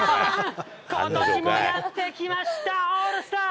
ことしもやって来ました、オールスター。